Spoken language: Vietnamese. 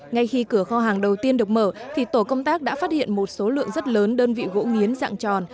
ngay khi cửa kho hàng đầu tiên được mở thì tổ công tác đã phát hiện một số lượng rất lớn đơn vị gỗ nghiến dạng tròn